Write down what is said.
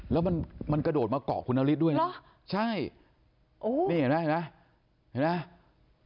แล้วมันมันกระโดดมาเกาะคุณนฤทธิด้วยนะใช่โอ้นี่เห็นไหมเห็นไหม